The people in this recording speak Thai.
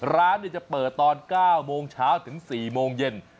ร้านจะเปิดตอน๙โมงเช้าถึง๔โมงเย็น